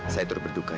saya terperduka ya